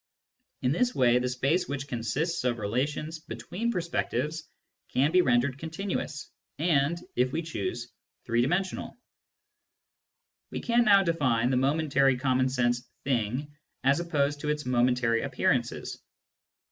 In this way the space which consists Digitized by Google THE EXTERNAL WORLD 89 of relations between perspectives can be rendered con tinuous, and (if we choose) three dimensional. We can now define the momentary common sense " thing," as opposed to its momentary appearances.